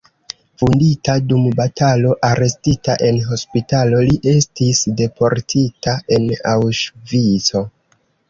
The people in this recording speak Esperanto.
Vundita dum batalo, arestita en hospitalo, li estis deportita en Aŭŝvico.